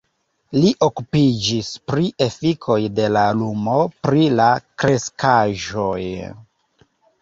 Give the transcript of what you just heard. Li okupiĝis pri efikoj de la lumo pri la kreskaĵoj.